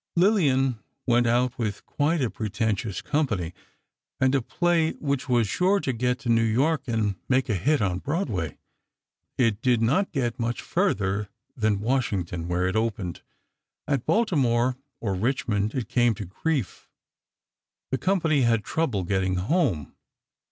Lillian went out with quite a pretentious company, and a play which was "sure to get to New York and make a hit on Broadway." It did not get much further than Washington, where it opened. At Baltimore, or Richmond, it came to grief. The company had trouble getting home.